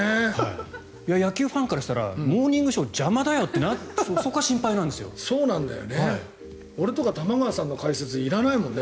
野球ファンからしたら「モーニングショー」邪魔だよってなるのが俺とか玉川さんの解説いらないもんね。